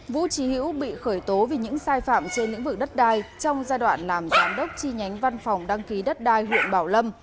vũ trí hữu bị khởi tố vì những sai phạm trên lĩnh vực đất đai trong giai đoạn làm giám đốc chi nhánh văn phòng đăng ký đất đai huyện bảo lâm